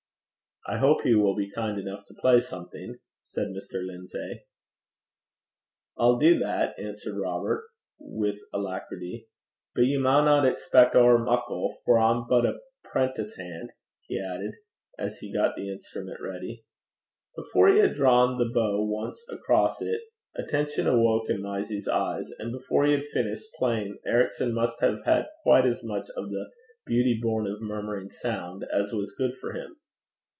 'I hope he will be kind enough to play something,' said Mr. Lindsay. 'I'll do that,' answered Robert, with alacrity. 'But ye maunna expec' ower muckle, for I'm but a prentice han',' he added, as he got the instrument ready. Before he had drawn the bow once across it, attention awoke in Mysie's eyes; and before he had finished playing, Ericson must have had quite as much of the 'beauty born of murmuring sound' as was good for him.